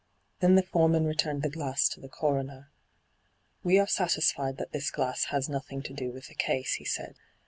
Then the foreman returned the glass to the coroner. * We are satisfied that this glass has nothing to do with the case,' he said.